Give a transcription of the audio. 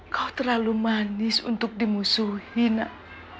kau terlalu manis untuk dimusuhi nak